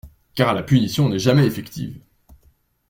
Car la punition n'est jamais effective.